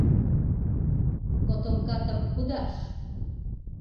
— Котомкатым кудаш.